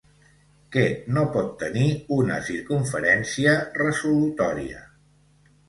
Què no pot tenir una circumferència resolutòria?